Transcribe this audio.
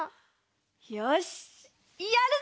よしやるぞ！